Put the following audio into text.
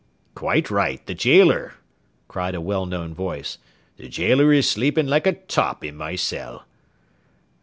"Quite right, the gaoler," cried a well known voice. "The gaoler is sleeping like a top in my cell."